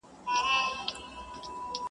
د لېوه بچی لېوه سي -